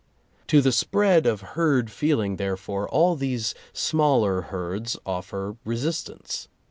To the spread of herd feeling, therefore, all these smaller herds offer resistance.